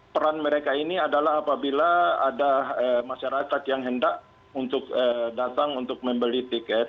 peran mereka ini adalah apabila ada masyarakat yang hendak untuk datang untuk membeli tiket